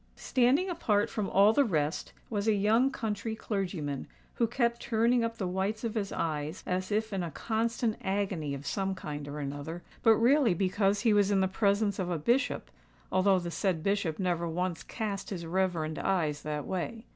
Standing apart from all the rest, was a young country clergyman, who kept turning up the whites of his eyes as if in a constant agony of some kind or another—but really because he was in the presence of a Bishop, although the said Bishop never once cast his reverend eyes that way.